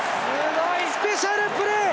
スペシャルプレー！